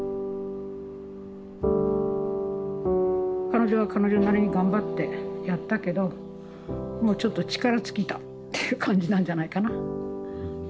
彼女は彼女なりに頑張ってやったけどもうちょっと力尽きたっていう感じなんじゃないかな。